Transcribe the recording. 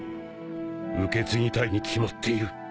受け継ぎたいに決まっている